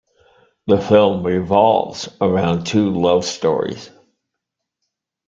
The film revolves around two love stories.